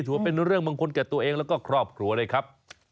ถือว่าเป็นเรื่องมงคลแก่ตัวเองแล้วก็ครอบครัวเลยครับ